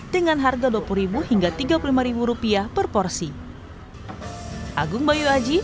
dengan harga dua puluh hingga tiga puluh lima rupiah per porsi